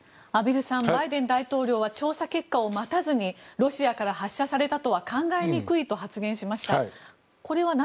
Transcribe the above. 畔蒜さんバイデン大統領は調査結果を待たずにロシアから発射されたとは考えにくいと発言しました。